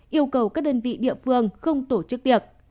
yêu cầu các đơn vị địa phương không tổ chức tiệc